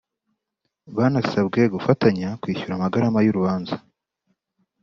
banasabwe gufatanya kwishyura amagarama y’urubanza